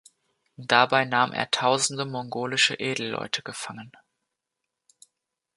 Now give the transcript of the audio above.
Dabei nahm er tausende mongolische Edelleute gefangen.